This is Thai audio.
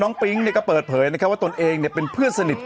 น้องปิ๊งเนี่ยก็เปิดเผยว่าตนเองเป็นเพื่อนสนิท